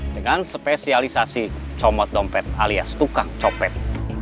dengan spesialisasi comot dompet alias tukang copet